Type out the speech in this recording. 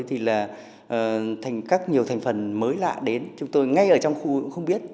thì là các nhiều thành phần mới lạ đến chúng tôi ngay ở trong khu cũng không biết